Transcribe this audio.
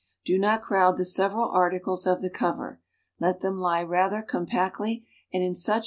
Do not crowd the se\'eral articles of the co\'er, let them lie rather compactly and in such ma.